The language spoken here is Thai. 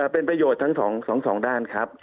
เป็นประโยชน์ทั้งสองด้านครับ